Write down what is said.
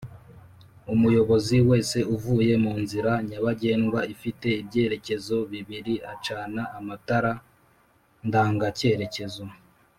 Umuyobozi wese uvuye mu nzira nyabagendwa ifite ibyerekezo bibiri acana amatara ndangacyerekezo